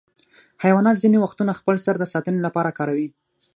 حیوانات ځینې وختونه خپل سر د ساتنې لپاره کاروي.